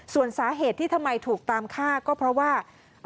ส่วนสาเหตุที่ทำไมถูกตามฆ่าก็เพราะว่า